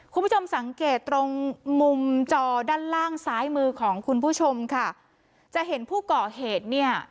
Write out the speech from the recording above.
คุณผู้ชมสังเกตตรงมุมจอด้านล่างซ้ายมือของคุณผู้ชมค่ะจะเห็นผู้ก่อเหตุเนี่ย